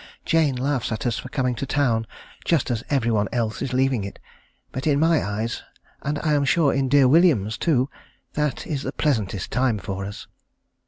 Jane laughs at us for coming to town just as every one else is leaving it; but in my eyes, and I am sure in dear William's too, that is the pleasantest time for us.